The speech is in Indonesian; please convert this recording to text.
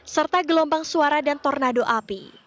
serta gelombang suara dan tornado api